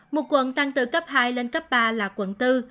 một quận tăng từ cấp hai lên cấp ba là quận bốn